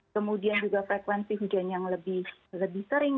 kemudian juga frekuensi hujan yang lebih sering